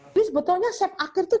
jadi sebetulnya set akhir itu juga